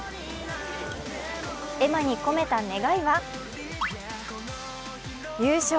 絵馬に込めた願いは、優勝。